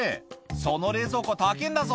その冷蔵庫、たけぇんだぞ。